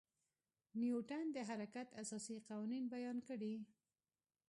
نیوټن د حرکت اساسي قوانین بیان کړي.